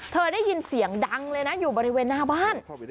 ได้ยินเสียงดังเลยนะอยู่บริเวณหน้าบ้าน